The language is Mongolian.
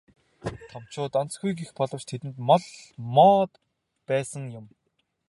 Томчууд онцгүй гэх боловч бидэнд бол моод байсан юм.